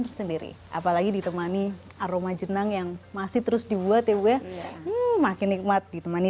tersendiri apalagi ditemani aroma jenang yang masih terus dibuat ya bu ya makin nikmat ditemani